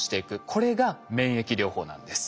これが免疫療法なんです。